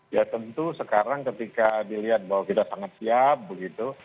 ya tentu sekarang ketika dilihat bahwa kita sangat siap begitu